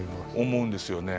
思うんですよね。